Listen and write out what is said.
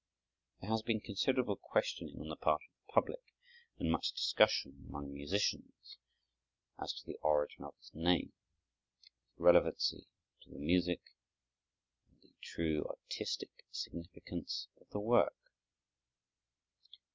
There has been considerable questioning on the part of the public, and much discussion among musicians, as to the origin of its name, its relevancy to the music, and the true artistic significance of the work.